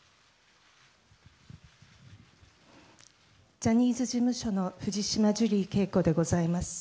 ジャニーズ事務所の藤島ジュリー景子でございます。